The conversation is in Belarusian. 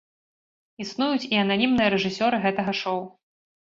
Існуюць і ананімныя рэжысёры гэтага шоў.